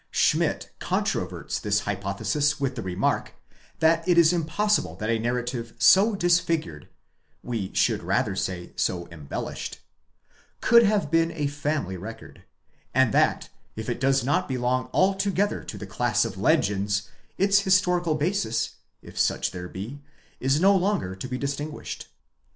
* K. Ch. L. Schmidt controverts this hypothesis with the remark, that it is impossible that a narrative so disfigured (we should rather say, so embellished) could have been a family record ; and that, if it does not belong altogether to the class of legends, its historical basis, if such there be, is no longer to be distinguished.